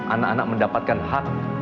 anak anak mendapatkan hak